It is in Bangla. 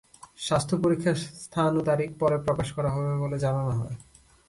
স্বাস্থ্য পরীক্ষার স্থান ও তারিখ পরে প্রকাশ করা হবে বলে জানানো হয়।